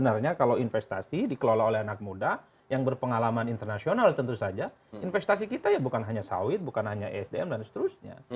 karena kalau investasi dikelola oleh anak muda yang berpengalaman internasional tentu saja investasi kita ya bukan hanya sawit bukan hanya isdm dan seterusnya